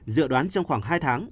dự đoán trong khoảng hai tháng